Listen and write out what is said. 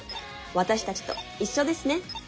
私たちと一緒ですね。